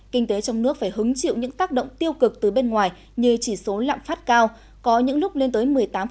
kinh tế trong nước phải hứng chịu những tác động tiêu cực từ bên ngoài như chỉ số lạm phát cao có những lúc lên tới một mươi tám